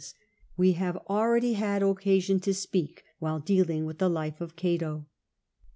320 CJ 5 SAR we have already had occasion to speak, while dealing with the life of Cato.